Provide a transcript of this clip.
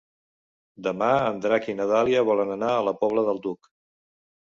Demà en Drac i na Dàlia volen anar a la Pobla del Duc.